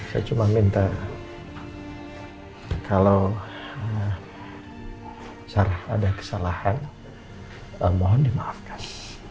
saya cuma minta kalau ada kesalahan mohon dimaafkan